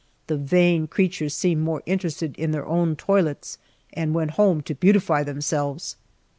The vain creatures seemed more interested in their own toilets, and went home to beautify themselves.